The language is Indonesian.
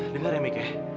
dengar ya mik ya